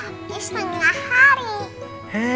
tapi setengah hari